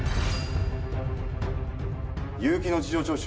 結城の事情聴取